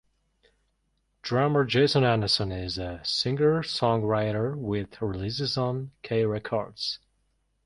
Drummer Jason Anderson is a singer-songwriter with releases on K Records.